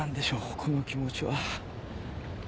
この気持ちは。